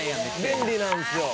「便利なんですよ。